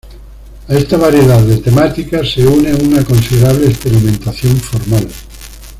A esta variedad de temática se une una considerable experimentación formal.